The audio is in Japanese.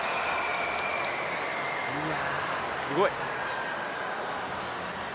いや、すごい！